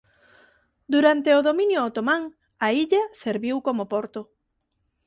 Durante o dominio otomán a illa serviu como porto.